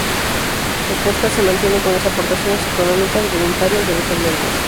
El podcast se mantiene con las aportaciones económicas, voluntarias, de los oyentes.